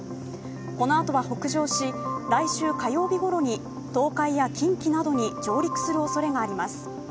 このあとは北上し、来週火曜日ごろに東海や近畿などに上陸するおそれがあります。